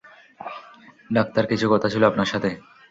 Doctor, কিছু কথা ছিল আপনার সাথে।